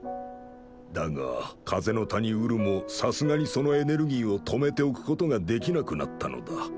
だが風の谷ウルもさすがにそのエネルギーを止めておく事ができなくなったのだ。